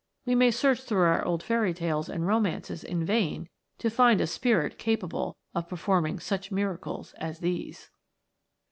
We may search through our old fairy tales and romances in vain to find a spirit capable of performing such miracles as these.